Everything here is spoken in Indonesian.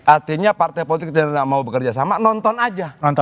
artinya partai politik tidak mau bekerja sama nonton aja nonton